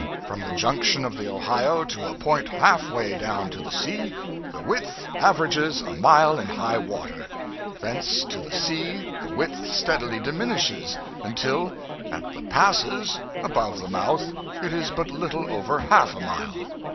From the junction of the Ohio to a point half way down to the sea, the width averages a mile in high water: thence to the sea the width steadily diminishes, until, at the 'Passes,' above the mouth, it is but little over half a mile.